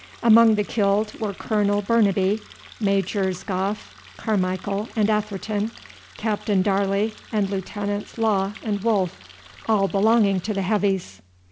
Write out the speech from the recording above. Among the killed were Colonel Burnaby, Majors Gough, Carmichael, and Atherton, Captain Darley, and Lieutenants Law and Wolfe all belonging to the Heavies.